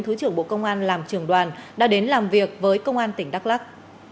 thứ trưởng bộ công an làm trường đoàn đã đến làm việc với công an tỉnh đắk lắc